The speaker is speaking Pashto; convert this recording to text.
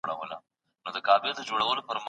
کتاب د ادبي تاریخ لپاره ارزښت لري.